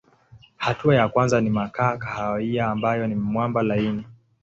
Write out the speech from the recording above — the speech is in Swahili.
Hatua ya kwanza ni makaa kahawia ambayo ni mwamba laini.